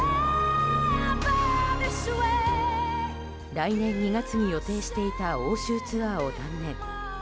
来年２月に予定していた欧州ツアーを断念。